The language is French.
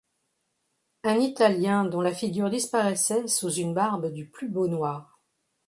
Un Italien dont la figure disparaissait sous une barbe du plus beau noir.